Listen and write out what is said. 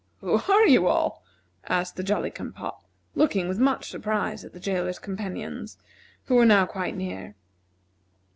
"Who are you all?" asked the Jolly cum pop, looking with much surprise at the jailer's companions, who were now quite near.